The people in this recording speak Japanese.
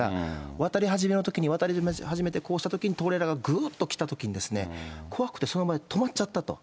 渡り始めのときに、渡り始めてこうしたときにトレーラーがぐっと来たときに、怖くてその場で止まっちゃったと。